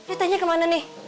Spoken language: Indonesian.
eh tehnya kemana nih